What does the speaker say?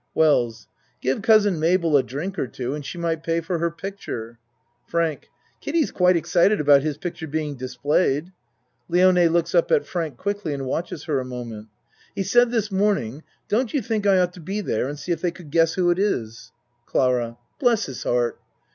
WELLS Give Cousin Mabel a drink or two and she might pay for her picture. FRANK Kiddie's quite excited about his picture being displayed. (Lione looks up at Frank quickly and watches her a moment.) He said this morning "Don't you think I ought to be there and see if they could guess who it is?" ACT II 61 CLARA Bless his heart!